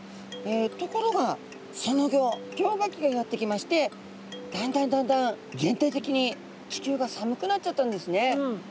ところがそのギョ氷河期がやってきましてだんだんだんだん全体的に地球が寒くなっちゃったんですね。